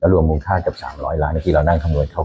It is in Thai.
แล้วรวมมุมค่ากับ๓๐๐ล้านที่เรานั่งทำรวยเข้า